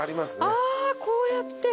あこうやって。